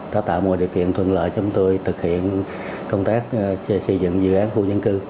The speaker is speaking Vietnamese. đã tạo mọi điều kiện thuận lợi cho chúng tôi thực hiện công tác xây dựng dự án khu dân cư